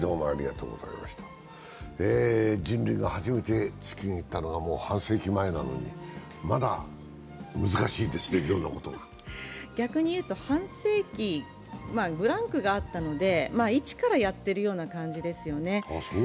人類が初めて月に行ったのがもう半世紀前なのにまだ難しいですね、いろんなことが逆に言うと、半世紀ブランクがあったので一からやっているような感じですよね。